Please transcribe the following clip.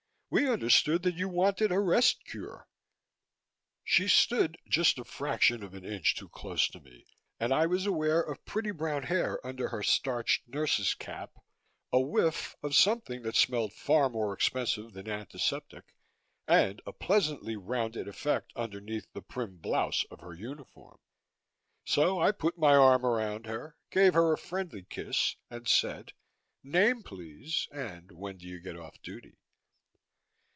We understood that you wanted a rest cure." She stood just a fraction of an inch too close to me and I was aware of pretty brown hair under her starched nurse's cap, a whiff of something that smelled far more expensive than antiseptic, and a pleasingly rounded effect underneath the prim blouse of her uniform. So I put my arm around her, gave her a friendly kiss and said, "Name, please, and when do you get off duty?"